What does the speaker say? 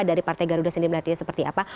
dari partai garuda sendiri melihatnya seperti apa